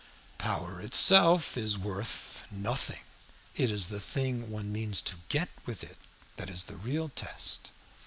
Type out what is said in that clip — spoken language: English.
"Power itself is worth nothing. It is the thing one means to get with it that is the real test."